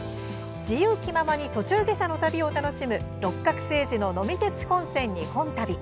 自由気ままに途中下車の旅を楽しむ「六角精児の呑み鉄本線・日本旅」。